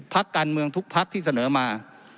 พักการเมืองทุกพักที่เสนอมา